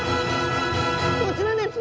こちらです。